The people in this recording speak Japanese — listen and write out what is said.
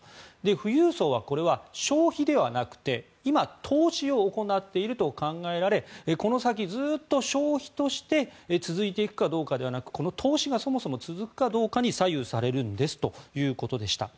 富裕層はこれは消費ではなくて今、投資を行っていると考えられこの先、ずっと消費として続いていくかどうかではなくこの投資がそもそも続くかどうかに左右されるんですということでした。